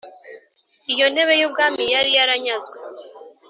Iyo ntebe y ubwami yari yaranyazwe